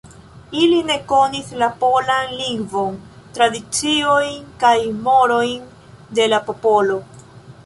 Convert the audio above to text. Ili ne konis la polan lingvon, tradiciojn kaj morojn de la popolo.